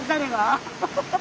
アハハハ。